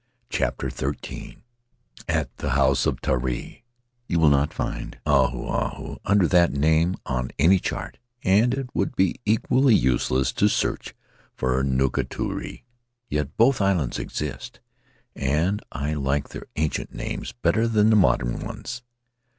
CHAPTER XIII At the House of Tari OU will not find Ahu Ahu — under that name — on any chart, and it would be equally useless to search for Nukutere; yet both islands exist, and I like their ancient names better than the modern ones.